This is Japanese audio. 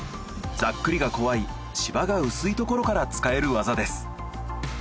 ざっくりが怖い芝が薄いところから使える技です。